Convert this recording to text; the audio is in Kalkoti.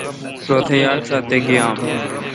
روتھ یال ݭات تے گیام۔